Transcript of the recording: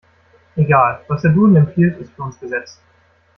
Egal. Was der Duden empfiehlt, ist für uns Gesetz.